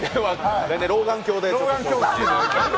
老眼鏡で。